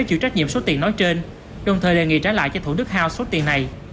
chịu trách nhiệm số tiền nói trên đồng thời đề nghị trả lại cho thủ đức house số tiền này